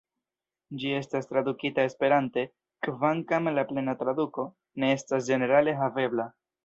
Ĝi estas tradukita Esperante, kvankam la plena traduko ne estas ĝenerale havebla.